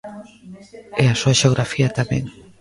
E a súa xeografía tamén.